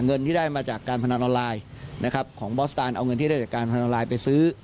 เงินที่ได้มาจากการพนันออนไลน์นะครับของบอสตานเอาเงินที่ได้จากการพนันออนไลน์ไปซื้อ